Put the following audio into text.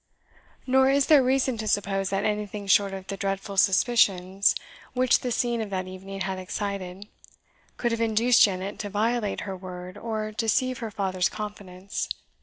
Nor is there reason to suppose that anything short of the dreadful suspicions which the scene of that evening had excited could have induced Janet to violate her word or deceive her father's confidence.